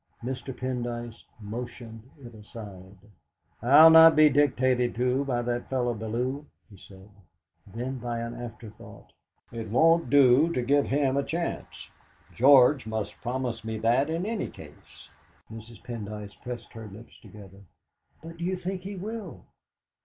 Mr. Pendyce motioned it aside. "I'll not be dictated to by that fellow Bellew," he said. Then, by an afterthought: "It won't do to give him a chance. George must promise me that in any case." Mrs. Pendyce pressed her lips together. "But do you think he will?"